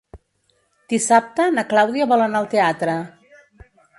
Dissabte na Clàudia vol anar al teatre.